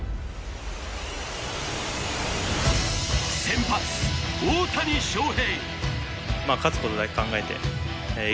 先発・大谷翔平。